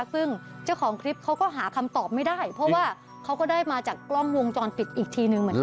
ซึ่งเจ้าของคลิปเขาก็หาคำตอบไม่ได้เพราะว่าเขาก็ได้มาจากกล้องวงจรปิดอีกทีนึงเหมือนกัน